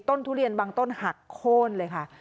ทุเรียนบางต้นหักโค้นเลยค่ะ